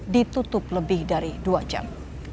ditutup lebih dari dua jam